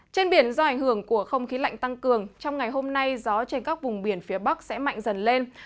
trên biển do ảnh hưởng của không khí lạnh tăng cường trong ngày hôm nay gió trên các vùng biển phía bắc sẽ mạnh dần lên